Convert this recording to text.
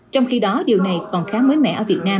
trong khi đó điều này còn khá mới mẻ ở việt nam